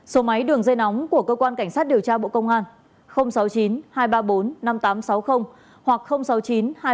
số máy đường dây nóng của cơ quan cảnh sát điều tra bộ công an sáu mươi chín hai trăm ba mươi bốn năm nghìn tám trăm sáu mươi hoặc sáu mươi chín hai trăm ba mươi hai một nghìn sáu trăm sáu mươi bảy